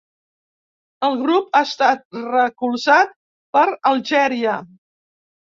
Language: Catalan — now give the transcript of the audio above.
El grup ha estat recolzat per Algeria.